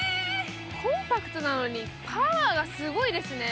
コンパクトなのにパワーがすごいですね！